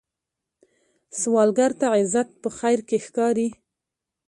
سوالګر ته عزت په خیر کې ښکاري